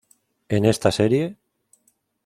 En esta serie,